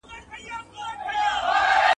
زما اصلي ګناه به